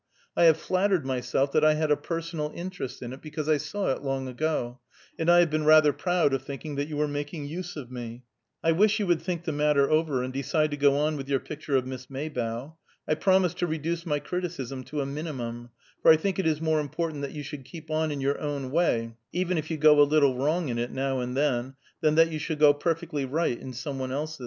I have flattered myself that I had a personal interest in it, because I saw it long ago, and I have been rather proud of thinking that you were making use of me. I wish you would think the matter over, and decide to go on with your picture of Miss Maybough. I promise to reduce my criticism to a minimum, for I think it is more important that you should keep on in your own way, even if you go a little wrong in it, now and then, than that you should go perfectly right in some one's else.